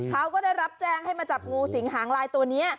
เขาก็ได้รับแจ้งให้มาจับงูสิงหางลายตัวนี้